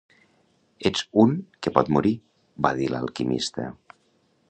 "Ets un que pot morir", va dir l'alquimista.